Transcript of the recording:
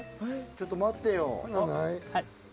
ちょっと待ってよ。